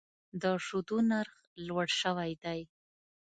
د شیدو نرخ لوړ شوی دی.